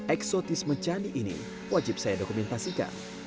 eksotisme candi ini wajib saya dokumentasikan